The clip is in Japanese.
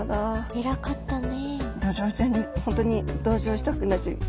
偉かったね。